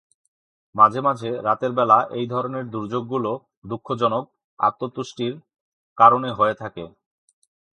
মাঝে মাঝে, রাতের বেলা এই ধরনের দুর্যোগগুলো দুঃখজনক আত্মতুষ্টির কারণে হয়ে থাকে।